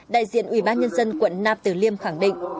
đại diện ubnd quận nam tử liêm khẳng định